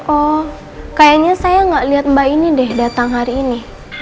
oh kayaknya saya nggak lihat mbak ini deh datang hari ini